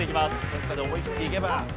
どこかで思いきっていけば。